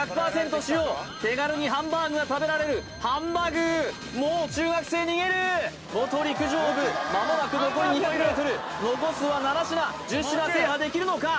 使用手軽にハンバーグが食べられるハンバ具ーもう中学生逃げる元陸上部まもなく残り２００ｍ残すは７品１０品制覇できるのか？